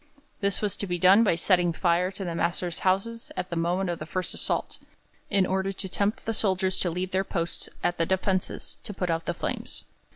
This was to be done by setting fire to their masters' houses at the moment of the first assault, in order to tempt the soldiers to leave their posts at the defences, to put out the flames.